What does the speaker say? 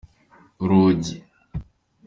urugi.